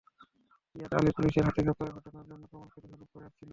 ইয়াদ আলী পুলিশের হাতে গ্রেপ্তারের ঘটনার জন্য কামালকে দোষারোপ করে আসছিল।